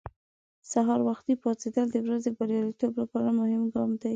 سهار وختي پاڅېدل د ورځې بریالیتوب لپاره مهم ګام دی.